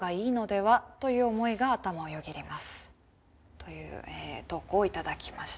という投稿を頂きました。